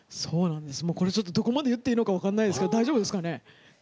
これどこまで言っていいか分からないですけど大丈夫ですかね。